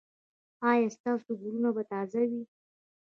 ایا ستاسو ګلونه به تازه وي؟